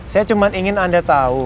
saya cuma ingin anda tahu